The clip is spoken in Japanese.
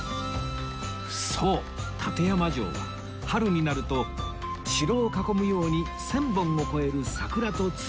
そう館山城は春になると城を囲むように１０００本を超える桜と椿が咲き乱れ